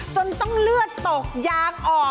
จนต้องเลือดตกยางออก